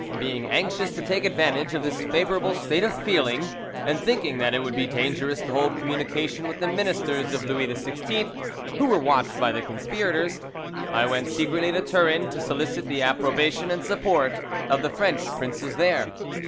Being anxious to take advantage of this favourable state of feeling, and thinking that it would be dangerous to hold communication with the ministers of Louis XVI, who were watched by the conspirators, I went secretly to Turin to solicit the approbation and support of the French princes there.